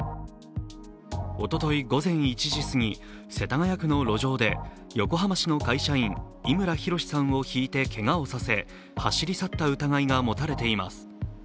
おととい午前１時過ぎ、世田谷区の路上で横浜市の会社員、伊村周さんをひいてけがをさせ、走り去った疑いが持たれています。